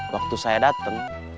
waktu saya dateng